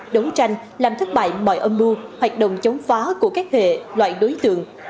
đấu tranh làm thất bại mọi âm mưu hoạt động chống phá của các hệ loại đối tượng